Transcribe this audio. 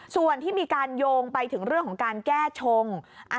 ส่วนที่มีการโยงไปถึงเรื่องของการแก้ชง